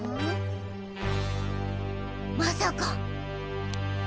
まさか！